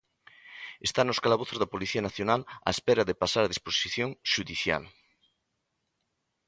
Está nos calabozos da Policía Nacional á espera de pasar a disposición xudicial.